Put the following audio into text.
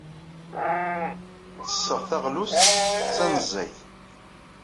Ttesseɣ taɣlust tanezzayt.